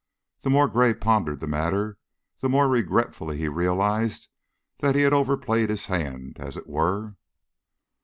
The more Gray pondered the matter, the more regretfully he realized that he had overplayed his hand, as it were.